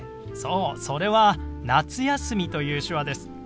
そうそれは「夏休み」という手話です。